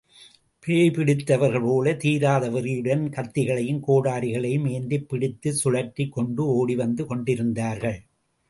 பேய் பிடித்தவர்கள் போலத் தீராத வெறியுடன் கத்திகளையும் கோடாரிகளையும் ஏந்திப் பிடித்துச் சுழற்றிக் கொண்டு ஓடிவந்து கொண்டிருந்தார்கள்.